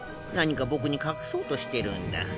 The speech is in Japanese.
何か僕に隠そうとしてるんだ。